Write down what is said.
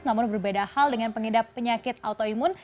namun berbeda hal dengan pengidap penyakit autoimun